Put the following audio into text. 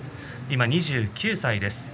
今、２９歳です。